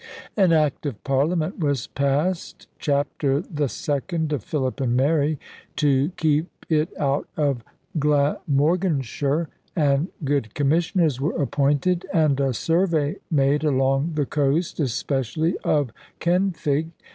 An Act of Parliament was passed chapter the second of Philip and Mary to keep it out of Glamorganshire; and good commissioners were appointed, and a survey made along the coast, especially of Kenfig.